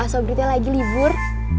apakah itu ustaz likin